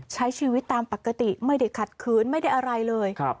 ใช้ชีวิตตามปกติไม่ได้ขัดขืนไม่ได้อะไรเลย